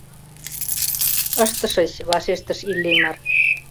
— Ыштышыч, — вашештыш Иллимар.